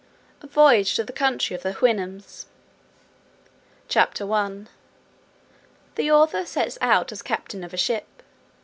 A VOYAGE TO THE COUNTRY OF THE HOUYHNHNMS. CHAPTER I. The author sets out as captain of a ship.